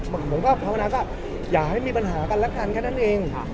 ผมก็ภาวนาก็อย่าให้มีปัญหากันแล้วกันแค่นั้นเอง